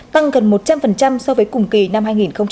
tăng gần một trăm linh so với cùng kỳ năm hai nghìn một mươi tám